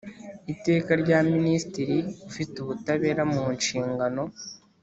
Iteka rya Minisitiri ufite Ubutabera munshingano